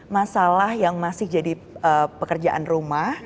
masalah yang masih jadi pekerjaan rumah